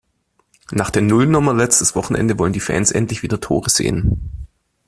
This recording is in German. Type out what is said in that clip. Nach der Nullnummer letztes Wochenende wollen die Fans endlich wieder Tore sehen.